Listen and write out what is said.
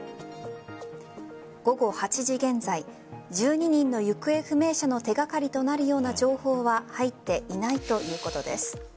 午後８時現在１２人の行方不明者の手掛かりとなるような情報は入っていないということです。